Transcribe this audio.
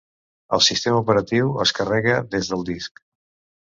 El sistema operatiu es carrega des del disc.